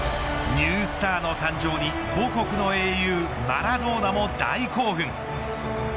ニュースターの誕生に母国の英雄マラドーナも大興奮。